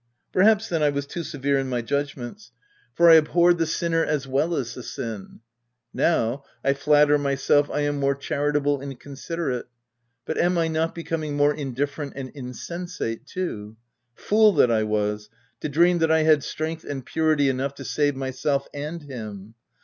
Perhaps, then, I was too severe in my judgments, for I ab OF WILDFELL HALL. 201 horred the sinner as well as the sin ; now, I flatter myself I am more charitable and con siderate ; but am I not becoming more indiffe rent and insensate too ? Fool that I was to dream that I had strength and purity enough to save myself and him